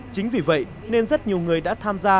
chính vì vậy nên rất nhiều người đã tham gia